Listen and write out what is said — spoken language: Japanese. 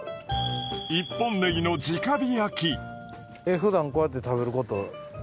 ふだんこうやって食べること。